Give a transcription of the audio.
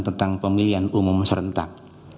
tentang pemilihan umum serentak